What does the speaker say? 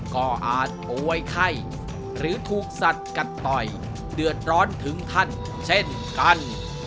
ก็อาจป่วยไข้หรือถูกสัตว์กัดต่อยเดือดร้อนถึงท่านเช่นกัน